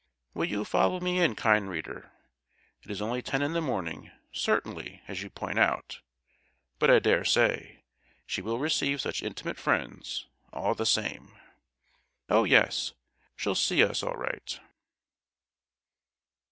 Will you follow me in, kind reader? It is only ten in the morning, certainly, as you point out; but I daresay she will receive such intimate friends, all the same. Oh, yes; she'll see us all right.